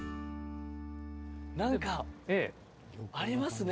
何かありますね。